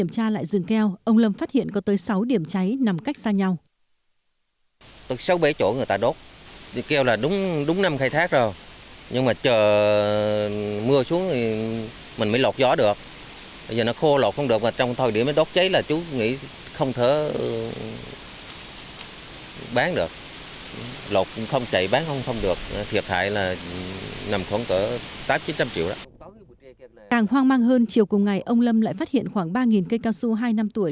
càng hoang mang hơn chiều cùng ngày ông lâm lại phát hiện khoảng ba cây cao su hai năm tuổi